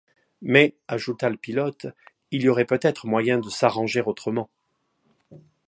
Mais, ajouta le pilote, il y aurait peut-être moyen de s’arranger autrement.